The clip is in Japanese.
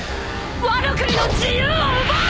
ワノ国の自由を奪う！